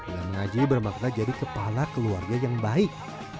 dan mengaji bermakna jadi kepala keluarga yang baik